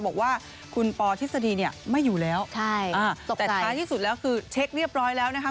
บอกว่าคุณปอทฤษฎีเนี่ยไม่อยู่แล้วใช่อ่าแต่ท้ายที่สุดแล้วคือเช็คเรียบร้อยแล้วนะคะ